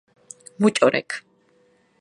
მუჭო რექ